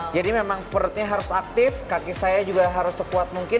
jadi memang perutnya harus aktif kaki saya juga harus sekuat mungkin